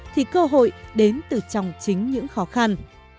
thì cơ hội đến từ trong chính những khó khăn